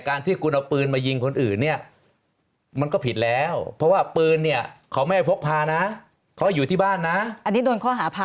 อันนี้โดนข้อหาผาอาวุธด้วย